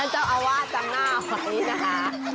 ความคิดอย่างนี้ท่านเจ้าเอาว่าจำหน้าไว้นะฮะ